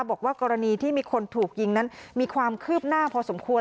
บอกว่ากรณีที่มีคนถูกยิงนั้นมีความคืบหน้าพอสมควร